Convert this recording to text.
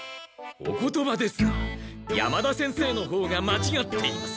お言葉ですが山田先生のほうがまちがっています！